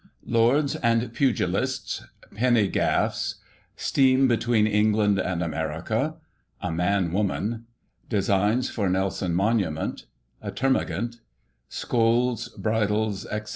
Lords and pugilists — Penny Gaffs "— Steam between England and America — A man woman — Designs for Nelson Monument — ^A termagant — Scold's bridles, &c.